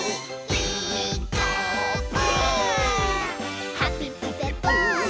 「ピーカーブ！」